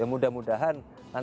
ya mudah mudahan nanti kemudian